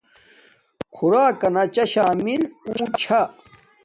خوراکنا چاشامل اونٹ چھا۔